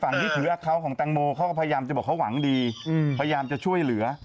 ฝั่งที่ถือเขาของตังโมเค้าพยามจะบอกว่าเค้าหวังดีพยายามจะช่วยเหลือ